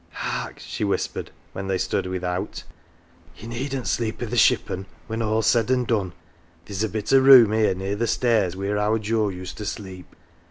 " Hark," she whispered when they stood without. " Ye needn't sleep i' th' shippon when all's said an' done. Theer's a bit of a room here near th' stairs wheer our Joe used to sleep.